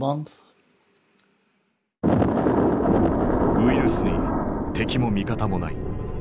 ウイルスに敵も味方もない。